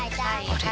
あれ？